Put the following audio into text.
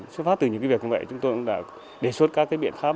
xuất phát từ những việc như vậy chúng tôi cũng đã đề xuất các biện pháp